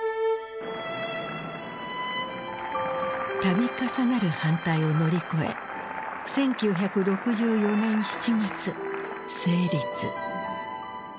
度重なる反対を乗り越え１９６４年７月成立。